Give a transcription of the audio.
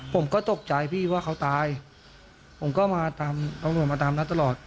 ผมก็ตกใจพี่ว่าเขาตายผมก็มาตามตำรวจมาตามนัดตลอด